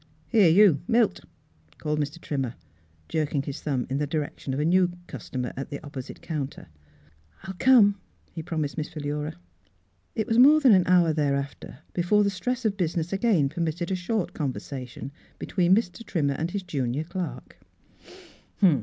"Here you, Milt!" called Mr. Trim mer, jerking his thumb in the direction of a new customer at the opposite coun ter. I'll come," he promised iMiss Philura. a T>1 It was more than an hour thereafter before the stress of business again per mitted a short conversation between Mr. Trimmer and his junior clerk.